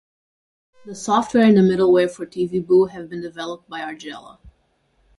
The software and the middleware for Tivibu, have been developed by Argela.